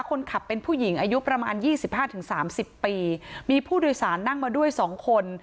คนขับเป็นผู้หญิงอายุประมาณยี่สิบห้าถึงสามสิบปีมีผู้โดยสารนั่งมาด้วยสองคน